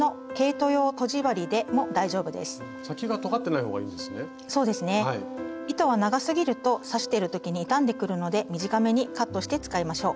糸が長すぎると刺してる時に傷んでくるので短めにカットして使いましょう。